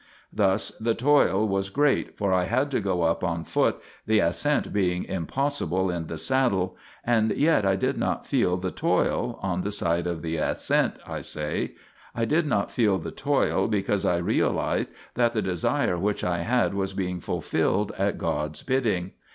1 Thus the toil was great, for I had to go up on foot, the ascent being impossible in the saddle, and yet I did not feel the toil, on the side of the ascent, I say, I did not feel the toil, because I realized that the desire which I had was being fulfilled at God's bidding.